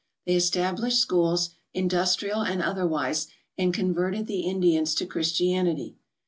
They established schools, in dustrial and otherwise, and converted the Indians to Christianity.